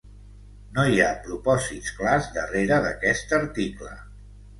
No hi ha propòsits clars darrere d'aquest article.